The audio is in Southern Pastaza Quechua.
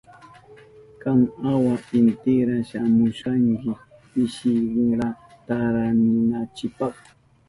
Kan awa intira shamushkanki pishinra tantarinanchipa.